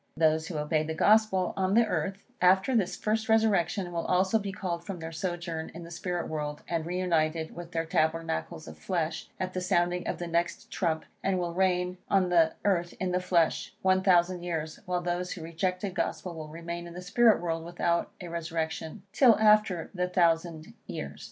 Those who obeyed the Gospel on the earth, after this first resurrection, will also be called from their sojourn in the spirit world, and re united with their tabernacles of flesh, at the sounding of the next trump, and will reign on the earth in the flesh, one thousand years, while those who rejected the Gospel will remain in the spirit world without a resurrection, till after the thousand years.